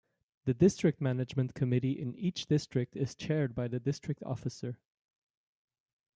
The district management committee in each district is chaired by the district officer.